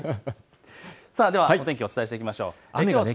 ではお天気をお伝えしていきましょう。